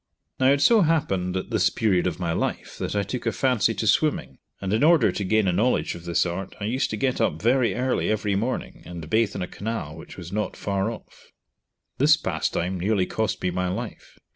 Now it so happened at this period of my life that I took a fancy to swimming, and in order to gain a knowledge of this art I used to get up very early every morning and bathe in a canal which was not far off. This pastime nearly cost me my life.